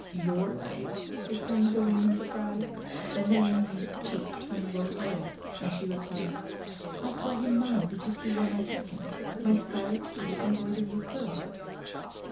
"Your knight!" exclaimed Gawain in surprise. Then the Lily Maid's cheeks turned rosy red, and she re plied: "I call him mine because he wore my token — my scarlet sleeve embroidered with pearls."